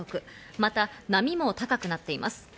また波も高くなっています。